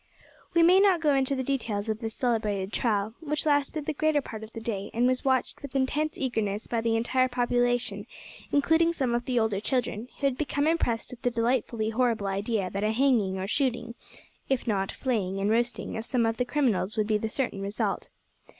We may not go into the details of this celebrated trial, which lasted the greater part of the day, and was watched with intense eagerness by the entire population, including some of the older children, who had become impressed with the delightfully horrible idea that a hanging or shooting, if not flaying and roasting, of some of the criminals would be the certain result.